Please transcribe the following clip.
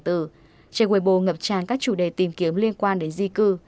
trên weibo ngập tràn các chủ đề tìm kiếm liên quan đến di cư